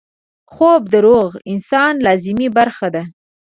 خوب د روغ انسان لازمي برخه ده